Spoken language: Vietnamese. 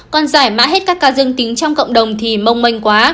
còn giải mát hết các ca dương tính trong cộng đồng thì mông mênh quá